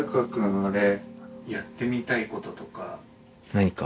何か？